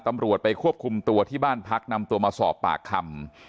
ตำรวจไปควบคุมตัวที่บ้านพักนำตัวมาสอบปากคำ